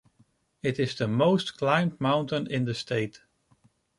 It is the most climbed mountain in the state.